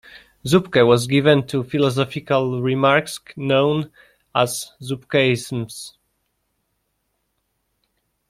Zuppke was given to philosophical remarks, known as Zuppkeisms.